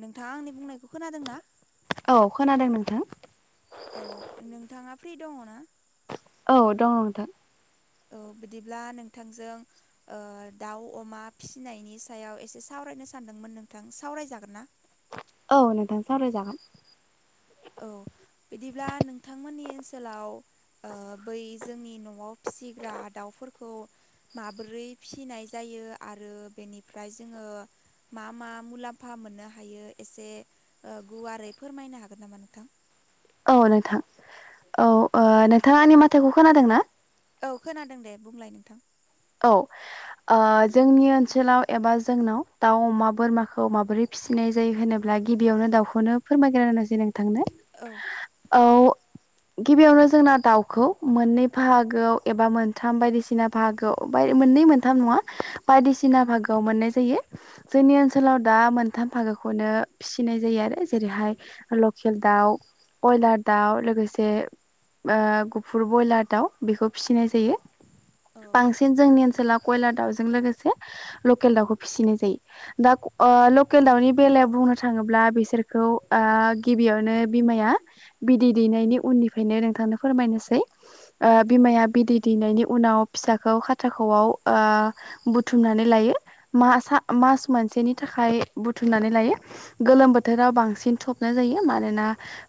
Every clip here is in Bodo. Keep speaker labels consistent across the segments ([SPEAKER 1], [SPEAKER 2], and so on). [SPEAKER 1] नोंथाङा आंनि बुंनायखौ खोनादों ना
[SPEAKER 2] औ खोनादों नोंथां
[SPEAKER 1] औ नोंथाङा फ्रि दङ ना
[SPEAKER 2] औ दङ नोंथां
[SPEAKER 1] औ बिदिब्ला नोंथांजों दाउ अमा फिसिनायनि सायाव एसे सावरायनो सानदोंमोन नोंथां सावरायजागोन ना
[SPEAKER 2] औ नोंथां सावरायजागोन
[SPEAKER 1] औ बिदिब्ला नोंथांमोननि ओनसोलाव बै जोंनि न'आव फिसिग्रा दाउफोरखौ माबोरै फिनाय जायो आरो बेनिफ्राय जोङो मा मा मुलाम्फा मोननो हायो एसे गुवारै फोरमायनो हागोन नामा नों [unintelligible]
[SPEAKER 2] औ नोंथां औ
[SPEAKER 1] औ
[SPEAKER 2] नोंथाङा आंनि मथायखौ खोनादों ना
[SPEAKER 1] औ खोनादों दे बुंलाय नोंथां
[SPEAKER 2] औ जोंनि ओनसोलाव एबा जोंनाव दाउ अमा बोरमाखौ माबोरै फि फिसिनाय जायो होनोब्ला गिबियावनो दाउखौनो फोरमायग्रोनोसै नों थांनो
[SPEAKER 1] औ।
[SPEAKER 2] औ गिबियावनो जोंना दाउखौ मोननै बाहागोआव एबा मोनथाम बायदिसिना बाहागोआव मोननै मोनथाम नङा बायदिसिना भागोआव मोननाय जायो जोंनि ओनसोलाव दा मोनथाम साथाम फागोखौनो फिसिनाय जायो आरो जेरैहाय लकेल दाउ बयलार दाउ लोगोसे ओ गुफुर ब्रयलार दाउ बेखौ फिसिनाय जायो
[SPEAKER 1] औ
[SPEAKER 2] बांसिन जोंनि ओन कयलार दाउजों लोगोसे लकेल दाउखौ फिसिनाय जायो दा लकेल दाउनि बेलायाव बुंनो थाङोब्ला बिसोरखौ गिबियावनो बिमाया बिदि दैनायनि उननिफ्रायनो नोंथांनो फोरमायनोसै
[SPEAKER 1] औ
[SPEAKER 2] बिमाया बिदै दैनायनि उनाव फिसाखौ खाथाख'आव बुथुमनानै लायो माहा मास मोनसेनि थाखाय बुथुमनानै लायो गोलोम बोथोराव बांसिन थबनो जायो मानोना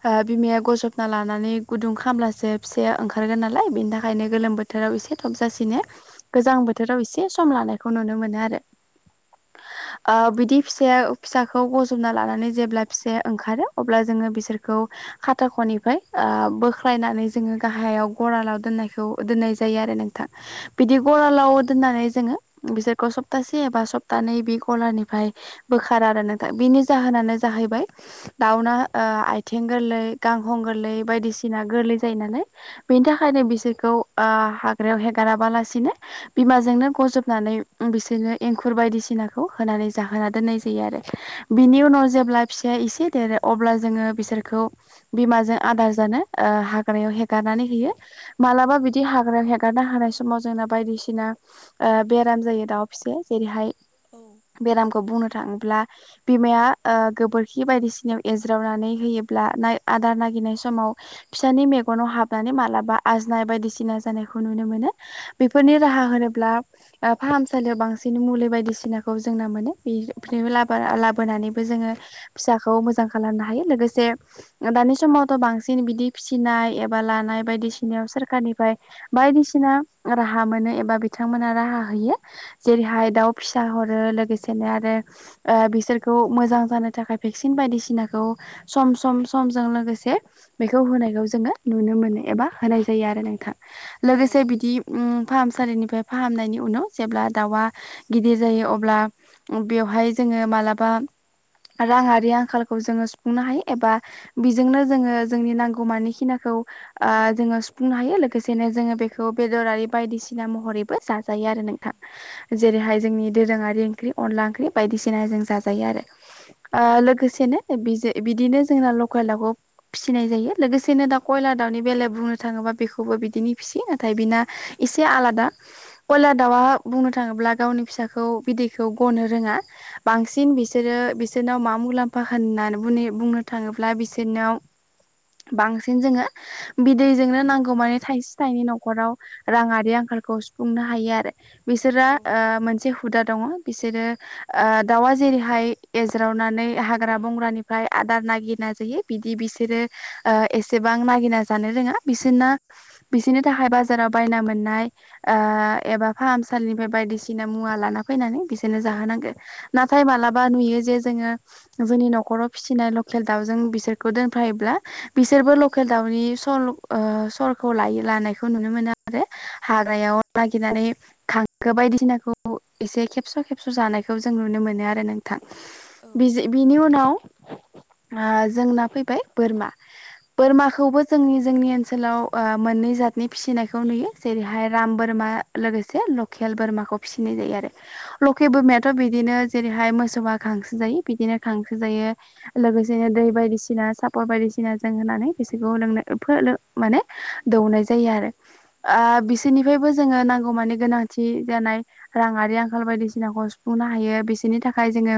[SPEAKER 2] ओ बिमाया गजबना लानानै गुदुं खालामब्लासो फिसाया ओंखारगोन नालाय बेनि थाखाय गोलोम बोथोराव एसे सबजासेनो गोजां बोथोराव एसे सम लानायखौ नुनो मोनो आरो
[SPEAKER 1] [inaudible]
[SPEAKER 2] ओ बिदि फिसाया फिसाखौ गजबना लानानै जेब्ला फिसाया ओंखारो अब्ला जोङो बिसोरखौ खाथा ख'निफ्राय बोख्लायनानै जोङो गाहायाव गलाराव दोननायखौ दोननाय जायो आरो नों बिदि गलालाव दोननानै जोङो बिसोरखौ सप्तासे एबा सप्तानै बे गलानिफ्राय बोखार आरो ना बिनि जाहोनानो जाहैबाय दाउना ओ आथिं गोरलै गांखं गोरलै बायदिसिना गोरलै जायो नालाय बेनि थाखायनो बिसोरखौ ओ हाग्रायाव हेगाराबालासिनो बिमाजोंनो गजबनानै बिसोरनो एंखुर बायदिसिनाखौ होना जाहोना दोन्नाय जायो आरो बिनि उनाव जेब्ला फिसाया एसे देरो अब्ला जोङो बिसोरखौ बिमाजों आदार जानो ओ हाग्रायाव हेगारनानै होयो मालाबा बिदि हाग्रायाव हे गारना हानाय समाव जोंना बायदिसिना ओ बेराम जायो दाउ फिसाया जेरैहाय बेरामखौ बुंनो थांब्ला बिमाया ओ गोबोरखि बायदिसिनायाव एज्रावनानै होयोब्ला नाय आदार नाय नाय समाव फिसानि मेगनाव हाबनानै मालाबा आजनाय बायदिसिना जानाय खौ नुनो मोनो बेफोरनि राहा होनोब्ला ओ फाहसालियाव बांसिन मुलि बायदिसिनाखौ जों नुनो मोनो बे [unintelligible] लाबोनानैबो जोङो फिसाखौ मोजां खालामनो हायो लोगोसे दानि समावथ' बांसिन बिदि फिसिनाय एबा लानाय बायदिसिनायाव सोरखारनिफ्राय बायदिसिना राहा मोनो एबा बिथांमोना राहा होयो जेरैहाय दाउ फिसा हरो लोगोसेनो आरो ओ बिसोरखौ मोजां जानो थाखाय भेक्सिन बायदिसिनाखौ सम सम समजों लोगोसे बेखौ होनायखौ जोङो नुनो मोनो एबा होनाय जायो आरो नोंथां लोगोसे बिदि ओम फाहामसालिनिफ्राय फाहामनायनि उनाव जेब्ला दाउआ गिदिर जायो अब्ला बेवहाय जों जोङो मालाबा राङारि आंखालखौ जोङो सुफुंनो हायो एबा बेजोंनो जोङो जोंनि नांगौमानि खिनाखौ ओ जोङो सुफुंनो हायो लोगोसेनो जोङो बेखौ बेदरारि बायदिसिना महरैबो जाजायो आरो नोंथां जेरैहाय जोंनि दोरोङारि अनला ओंख्रि बायदिसिना जों जाजायो आरो
[SPEAKER 1] औ
[SPEAKER 2] ओ लोगोसेनो बिदिनो जोंना लकेल दाउखौ फिसिनाय जायो लोगोसेनो दा कयलार दाउनि बेलायाव बुंनो थाङोबा बेखौ बिदिनि फिसि नाथाय बिना एसे आलादा कयलार दाउआ बुंनो थाङोब्ला गावनि फिसाखौ बिदैखौ गनो रोङा बांसिन बिसोरो बिसोरनाव मा मुलाम्फा होननानै बुंनो थां ङोब्ला बिसोरनाव बांसिन जोङो बिदैजोंनो नांगौ मानि थाइस थाइनै न'खराव रांआरि आंखालखौ सुफुंनो हायो आरो बिसोरा ओ मोनसे हुदा दङ बिसोरो ओ दाउआ जेरैहाय एज्रावनानै हाग्रा बंग्रानिफ्राय आदार नागिरनानै जायो बिदि बिसोरो ओ एसेबां नागिरना जानो रोङा बिसोरना बिसोरनि थाखाय बाजाराव बायना मोननाय ओ एबा फाहामसालिनिफ्राय बायदिसिना मुवा लाना फैनानै बिसोरनो जाहोनांगोन नाथाय मालाबा नुयो जे जोङो जोंनि न'खराव फिसिनाय लकेल दाउजों बिसोरखौ दोनफायोब्ला बिसोरबो लकेल दाउनि स ओ स लायो लानायखौ नुनो मोनो आरो हाग्रायाव नागिरनानै खांखो बायदिसिनाखौ एसे खेबस' खेबस' जानायखौ जों नुनो मोनो आरो नोंथां
[SPEAKER 1] औ
[SPEAKER 2] बिज बिनि उनाव जोंना फैबाय बोरमा बोरमाखौबो जोंनि जोंनि ओनसोलाव ओ मोननै जातनि फिसिनायखौ नुयो जेरैहाय राम बोरमा लोगोसे लकेल बोरमाखौ फिसि जायो आरो लकेल बोरमायाथ' बिदिनो जेरैहाय मोसौआ खांसो जायो बिदिनो खांसो जायो लोगोसेनो दै बायदिसिना सापर बायदिसिना जों होनानै बिसोरखौ लोंनो [unintelligible] माने दौनाय जायो आरो ओ बिसोरनिफ्रायबो जोङो नांगौ मानि गोनांथि जानाय राङारि आंखाल बायदिसिनाखौ सुफुंनो हायो बिसोरनि थाखाय जोङो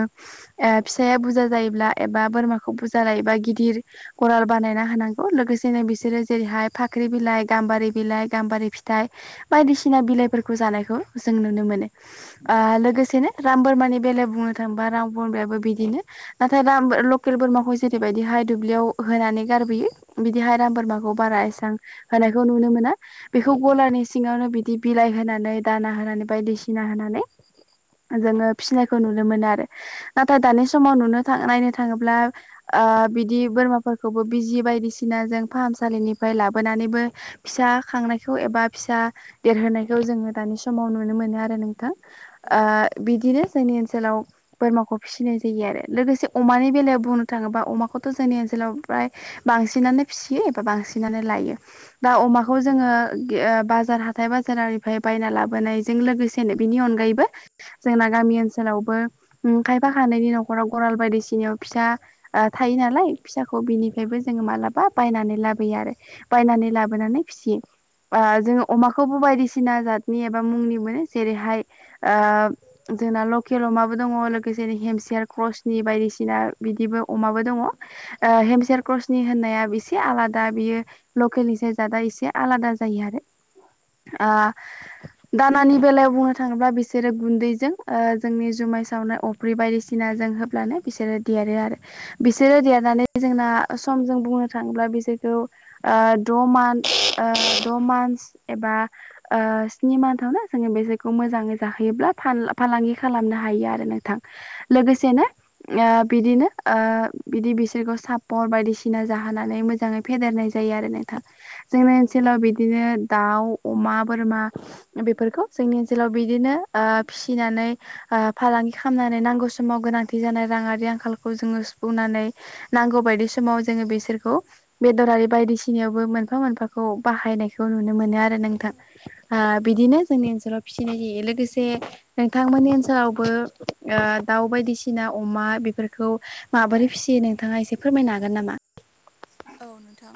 [SPEAKER 2] ओ फिसाया बुरजा जायोब्ला एबा बोरमाखौ बुरजा लायोब्ला गिदिर गराल बानायना होनांगौ लोगोसेनो बिसोरो जेरैहाय फाख्रि बिलाइ गाम्बारि बिलाइ गाम्बारि फिथाइ बायदिसिना बिलाइफोरखौ जानायखौ जों नुनो मोनो ओ लोगोसेनो राम बोरमानि बेलायाव बुंनो थाङोबा राम बोरमायाबो बिदिनो नाथाय लकेल बोरमाखौ जेरैबायदिहाय दुब्लियाव होनानै गारबोयो बिदिहाय राम बोरमाखौ बारा एसे होनायखौ नुनो मोना बेखौ गलारनि सिङावनो बिदि बिलाइ होनानै दाना होनानै बायदिसिना [unintelligible] होनानै जोङो फिसिनायखौ नुनो मोनो आरो नाथाय दानि समाव नुनो नायनो थाङोब्ला ओ बिदि बोरमाफोरखौबो बिजि बायदिसिना जों फाहामसालिनि फ्राय लाबोनानैबो फिसा खांनायखौ एबा फिसा देरहोनायखौ जोङो दानि समाव नुनो मोनो मोनो आरो नोंथां ओ बिदिनो जोंनि ओनसोलाव बोरमाखौ फिसिनाय जायो आरो लोगोसे अमानि बेलायाव बुंनो थाङोबा अमाखौथ' जोंनि ओनसोलाव बांसिनानो फिसियो एबा बांसिन नानो लायो दा अमाखौ जोङो बाजार हाथाइ बाजार आरिफ्राय बायना लाोनाय जो लोगोसेनो बिनि अनैबो जोंना गामि ओनसोलावबो उम खाया खयनैनि नख'रा गरा बायदिसिनाययाव फिसा थायो नालाय फिसाखौ बिनिफ्रायबो जों मालाबा बायनानै लाबो बोयो आरो बायनानै लाबोनानै फिसियो आ जोङो अमाखौबो बायदिसिना जातनि एबा मुंनि मोनो जेरैहाय आ जोंना लकेल अमाबो दङ लोगोसे हेमसेार क्रसनि बायदिसिना बिदिबो अमाबो दङ ओ हेमसेेर क्रसनि होननाया एसे आलादा दा बेयो लकेलनिसाय जादा एसे आलादा जायो आरो आं दानानि बेलायाव बुंनो थाङोब्ला बिसोरो गुन्दैजों ओ जोंनि जु माय सावनाय अफ्रि बायदिसिना जों होब्लानो बिसोरो देरो आरो बिसोरो देरनानै जोंना सम जों बुंनो थाङोब्ला बेसो ओ द' मान ओ द' मानस एबा ओ स्नि मान जोङो बेसोरखौ मोजाङै जाहोयोब्ला फा-फालांगि खालामनो हायो आरो नोंथां लोगोसेनो ओ बिदिनो ओ बिदि बिसोरखौ सापर बायदिसिना जाहोनानै मोजाङै फेदेरनाय जायो आरो नोंथां जोंनि ओनसोलाव बिदिनो दाउ अमा बोरमा बेफोरखौ जोंनि ओनसोलाव बिदिनो ओ फिसिनानै ओ फालांगि खालामनानै नांगौ समाव गोनांथि जानाय राङारि आंखालखौ जोङो सुफुंनानै नांगौ बाय बायदि समाव जोङो बिसोरखौ बेदरारि बायदिसिनायावबो मोनफा मोनफाखौ बाहायनायखौ नुनो मोनो आरो नोंथां ओ
[SPEAKER 1] औ
[SPEAKER 2] बिदिनो जोंनि ओनसोलाव फिसिनाय जायो लोगोसे नोंथांमोननि ओनसोलावबो ओ दाउ बायदिसिना अमा बेफोरखौ माबोरै फिसियो नोंथाङा एसे फोरमायनो हागोन नामा
[SPEAKER 1] औ नोंथां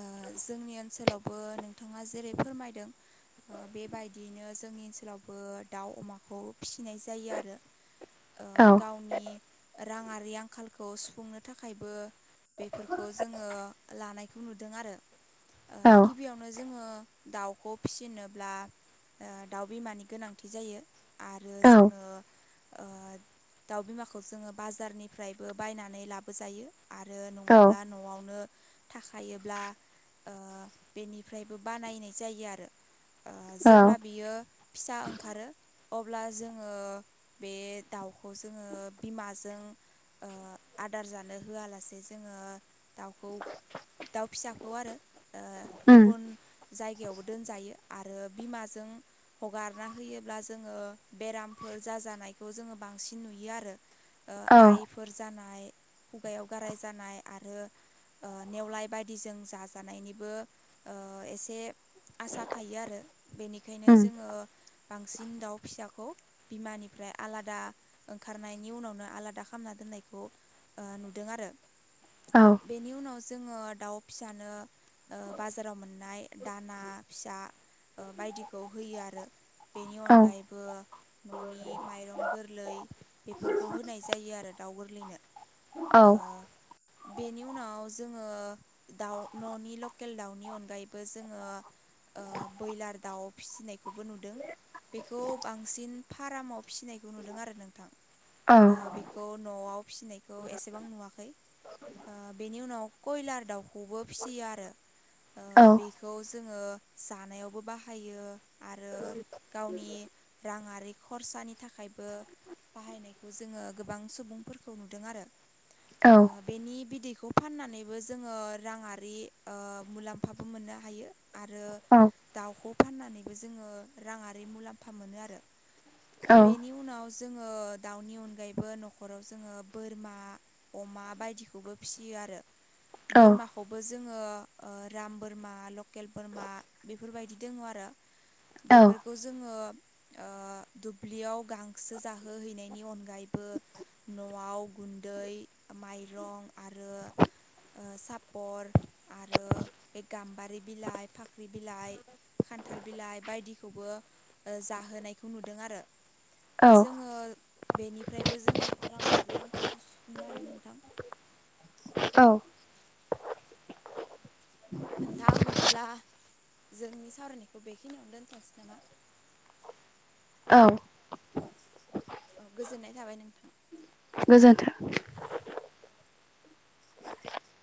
[SPEAKER 1] ओ जोंनि ओनसोलावबो नोंथाङा जेरै फोरमायदों ओ बेबायदियैनो जों जोंनि ओनसोलावबो दाउ अमाखौ फिसिनाय जायो आरो ओ
[SPEAKER 2] औ
[SPEAKER 1] गावनि राङारि आंखालखौ सुफुंनो थाखायबो बेफोरखौ जोङो लानायखौ नुदों आरो ओ
[SPEAKER 2] औ
[SPEAKER 1] गिबियावनो जोङो दाउखौ फिसिनोब्ला ओ दाउ बिमानि गोनांथि जायो आरो
[SPEAKER 2] औ
[SPEAKER 1] जोङो ओ दाउ बिमाखौ जोङो बाजारनिफ्रायबो बायनानै लाबोजायो आरो नङाब्ला न'आवनो थाखायोब्ला ओ बेनिफ्रायबो बानायनाय जायो आरो ओ
[SPEAKER 2] औ
[SPEAKER 1] जेब्ला बियो फिसा ओंखारो अब्ला जोङो बे दाउखौ जोङो बिमाजों ओ आदार जानो होआलासे जोङो दाउखौ दाउ फिसाखौ आरो ओ
[SPEAKER 2] उम
[SPEAKER 1] गुबुन जायगायावबो दोनजायो आरो बिमाजों हगारना होयोब्ला जोङो बेरामफोर जाजानायखौ जोङो बांसिन नुयो आरो ओ
[SPEAKER 2] औ
[SPEAKER 1] आइफोर जानाय खुगायाव गाराय जानाय आरो ओ नेवलाय बायदिजों जाजानायनिबो ओ एसे आसा थायो आरो बेनिखायनो
[SPEAKER 2] उम
[SPEAKER 1] जोङो बांसिन दाउ फिसाखौ बिमानिफ्राय आलादा ओंखारनायनि उनावनो आलादा खालामना दोन नंखायखौ ओ नुदों आरो
[SPEAKER 2] औ
[SPEAKER 1] बेनि उनाव जोङो दाउ फिसानो ओ बाजाराव मोननाय दाना फिसा ओ बायदिखौ होयो आरो बेनि
[SPEAKER 2] औ
[SPEAKER 1] अनगायैबो न'नि माइरं गोरलै बेफोरखौ होनाय जायो आरो दाउ गोरलैनो
[SPEAKER 2] औ।
[SPEAKER 1] ओ बेनि उनाव जोङो दाउ न'नि लकेल दाउनि अनगायैबो जोङो ओ बयलार दाउ फिसिनायखौबो नुदों। बेखौ बांसिन फारामाव फिसिनायखौ नुदों आरो नोंथां।
[SPEAKER 2] औ
[SPEAKER 1] बेखौ न'आव फिसिनायखौ एसेबां नुवाखै। बेनि उनाव कयलार दाउखौबो फिसियो आरो
[SPEAKER 2] औ
[SPEAKER 1] बेखौ जों जोङो जानायावबो बाहायो आरो गावनि राङारि खरसा पानि थाखायबो बाहायनायखौ जोङो गोबां सुबुंफोरखौ नुदों आरो।
[SPEAKER 2] औ
[SPEAKER 1] बेनि बिदैखौ बेखौ फाननानैबो जोङो राङारि मुलाम्फाबो मोननो हायो। आरो दाउखौ फाननानैबो जोङो राङारि मुलाम्फा मोनो आरो।
[SPEAKER 2] औ
[SPEAKER 1] बेनि उनाव जोङो दाउनि अनगायैबो न'खराव जोङो बोरमा अमा बायदिखौबो फिसियो आरो बोरमाखौबो जोङो राम बोरमा लकेल बोरमा बेफोरबायदि दङ आरो। बेफोरखौ जोङो ओ दुब्लियाव गांसो जाहोहैनायनि अनगायैबो न'आव गुन्दै माइरं आरो सापर आरो बे गाम्बारि बिलाइ फाख्रि बिलाइ खान्थाल बिलाइ बायदिखौबो जाहोनायखौ नुदों आरो। जोङो
[SPEAKER 2] औ
[SPEAKER 1] बेनिफ्रायबो जोङो राङारि आंखालखौ सुफुंनो हायो नोंथां।
[SPEAKER 2] औ।
[SPEAKER 1] नोंथां बिदिब्ला जोंनि सावरायनायखौ बेखिनियावनो दोन्थ'नोसै नामा?
[SPEAKER 2] औ।
[SPEAKER 1] औ गोजोननाय थाबाय नोंथां।
[SPEAKER 2] गोजोन्थों।